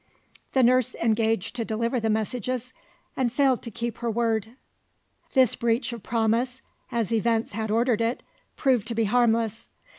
The nurse engaged to deliver the messages and failed to keep her word. This breach of promise (as events had ordered it) proved to be harmless.